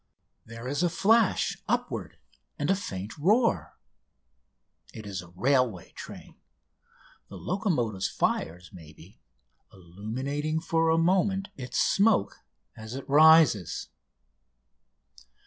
There is a flash upward and a faint roar. It is a railway train, the locomotive's fires, maybe, illuminating for a moment its smoke as it rises.